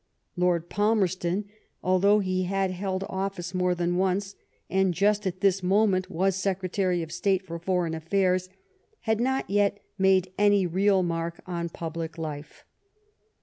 Lord Palmerston, although he had held office more than once, and just at this moment was Secretary of State for Foreign Affairs, had not yet made any real mark on pub lic life.